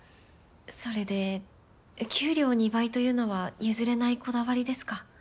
それで給料２倍というのは譲れないこだわりですか？